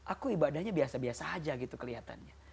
aku ibadahnya biasa biasa saja